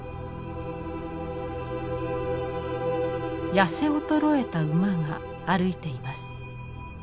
やせ衰えた馬が歩いています。